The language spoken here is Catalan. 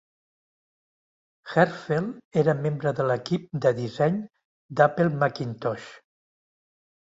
Hertzfeld era membre de l'equip de disseny d'Apple Macintosh.